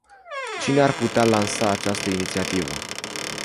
Cine ar putea lansa această inițiativă?